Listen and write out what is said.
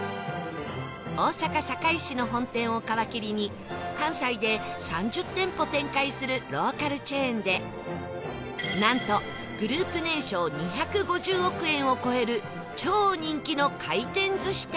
大阪堺市の本店を皮切りに関西で３０店舗展開するローカルチェーンでなんとグループ年商２５０億円を超える超人気の回転寿司店